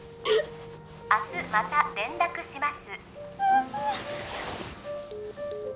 明日また連絡します